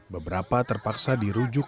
beberapa terpaksa dirujuk